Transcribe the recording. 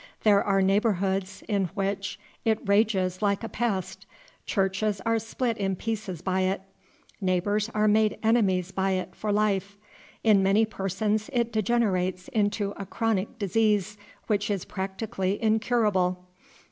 There are neighborhoods in which it rages like a pest. Churches are split in pieces by it; neighbors are made enemies by it for life. In many persons it degenerates into a chronic disease, which is practically incurable.